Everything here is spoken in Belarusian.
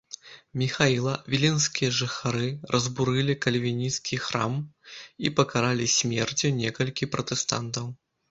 Міхаіла, віленскія жыхары разбурылі кальвінскі храм і пакаралі смерцю некалькі пратэстантаў.